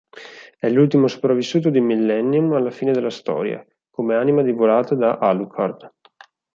È l'ultimo sopravvissuto di Millennium alla fine della storia, come anima divorata da Alucard.